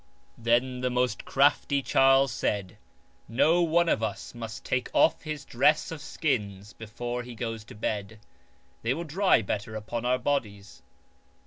Then the most crafty Charles said :" No one of us must take off his dress of skins before he goes to bed ; they will dry better upon our bodies."